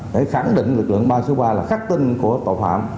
để khẳng định lực lượng ba trăm sáu mươi ba là khắc tinh của tội phạm